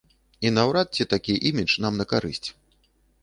І наўрад ці такі імідж нам на карысць.